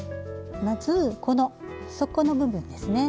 まずこの底の部分ですね。